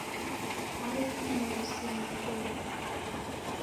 Hai, nimoni sinywaa kilumbwa!